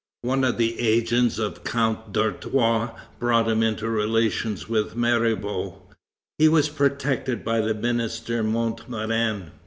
One of the agents of Count d'Artois brought him into relations with Mirabeau. He was protected by the minister Montmorin.